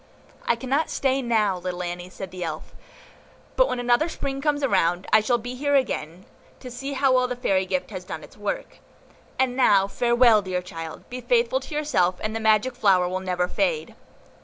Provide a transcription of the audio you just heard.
"I cannot stay now, little Annie," said the Elf, "but when another Spring comes round, I shall be here again, to see how well the fairy gift has done its work. And now farewell, dear child; be faithful to yourself, and the magic flower will never fade."